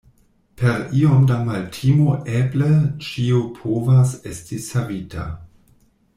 Per iom da maltimo eble ĉio povas esti savita.